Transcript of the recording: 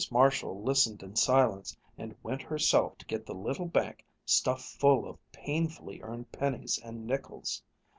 Marshall listened in silence and went herself to get the little bank stuffed full of painfully earned pennies and nickels.